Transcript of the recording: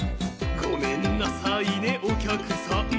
「『ごめんなさいね、おきゃくさん。